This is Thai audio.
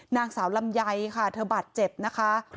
นางสาวลำไย่โถบัตเจ็บนะค่ะ